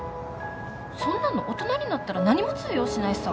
そんなの大人になったら何も通用しないさ。